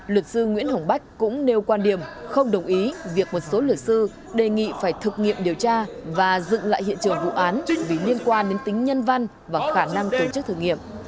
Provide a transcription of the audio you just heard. luật sư nguyễn hồng bách cũng nêu quan điểm không đồng ý việc một số luật sư đề nghị phải thực nghiệm điều tra và dựng lại hiện trường vụ án vì liên quan đến tính nhân văn và khả năng tổ chức thử nghiệm